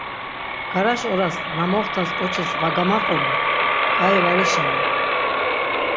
Mgaraş oras na moxtas ǩoçis va gamaqonat, ǩai var işinen.